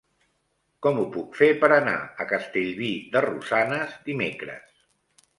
Com ho puc fer per anar a Castellví de Rosanes dimecres?